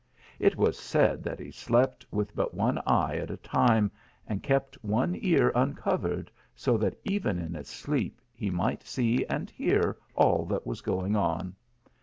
It was said that he slept with but one eye at a time, and kept one ear uncovered, so that, even in his sleep, he might see and hear all that was going on.